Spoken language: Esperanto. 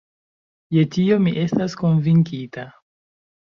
Je tio mi estas konvinkita.